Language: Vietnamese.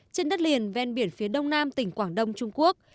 trên đất liền ven biển phía đông nam tỉnh quảng đông trung quốc